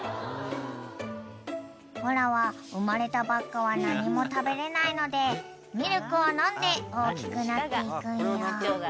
［おらは生まれたばっかは何も食べれないのでミルクを飲んで大きくなっていくんよ］